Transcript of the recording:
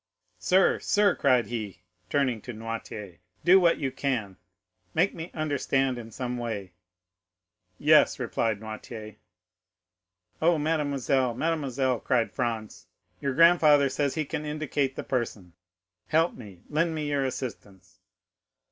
Sir, sir," cried he, turning to Noirtier, "do what you can—make me understand in some way!" "Yes," replied Noirtier. "Oh, mademoiselle, mademoiselle!" cried Franz, "your grandfather says he can indicate the person. Help me,—lend me your assistance!"